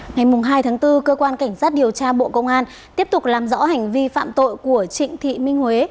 ngày hai tháng bốn cơ quan cảnh sát điều tra bộ công an tiếp tục làm rõ hành vi phạm tội của trịnh thị minh huế